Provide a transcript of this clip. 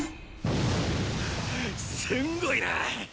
すんごいな！